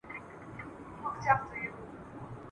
رنګ په رنګ پکښي بویونه د ګلونو `